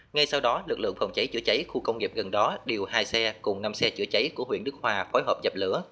ngay sau đó lực lượng phòng cháy chữa cháy khu công nghiệp gần đó điều hai xe cùng năm xe chữa cháy của huyện đức hòa phối hợp dập lửa